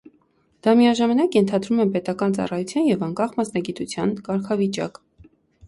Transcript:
Դա միաժամանակ ենթադրում է պետական ծառայության և անկախ մասնագիտության կարգավիճակ։